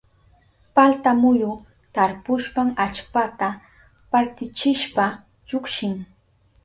Palta muyu tarpushpan allpata partichishpa llukshin.